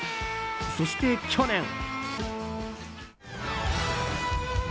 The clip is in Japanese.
そして、去年。